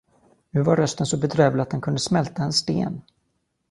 Nu var rösten så bedrövlig, att den kunde smälta en sten.